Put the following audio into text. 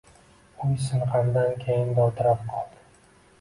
Uyi sing‘andan keyin dovdirab qoldi